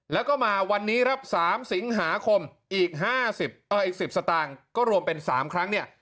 แล้วก็มาวันนี้ครับ๓สิงหาคมอีก๑๐สตางค์ก็รวมเป็น๓ครั้งเนี่ย